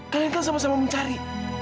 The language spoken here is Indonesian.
kalian kan sama sama mencari